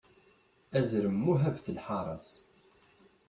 Azrem muhabet lḥaṛa-s.